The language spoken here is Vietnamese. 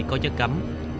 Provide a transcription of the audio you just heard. có chất cấm